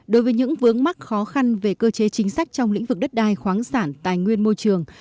đối với những vướng mắc khó khăn về cơ chế chính sách trong lĩnh vực đất đai khoáng sản tài nguyên môi trường